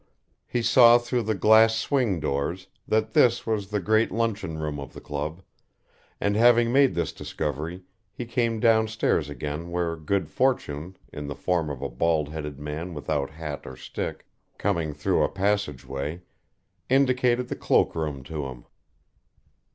He saw through the glass swing doors that this was the great luncheon room of the club, and having made this discovery he came downstairs again where good fortune, in the form of a bald headed man without hat or stick, coming through a passage way, indicated the cloak room to him.